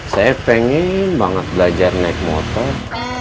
saya pengen banget belajar naik motor